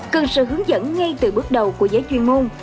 cần sự hướng dẫn ngay từ bước đầu của giới chuyên môn